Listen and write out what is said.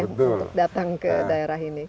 untuk datang ke daerah ini